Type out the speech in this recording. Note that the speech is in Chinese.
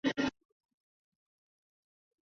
宏杨中国武术。